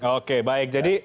oke baik jadi